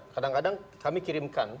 kadang kadang kami kirimkan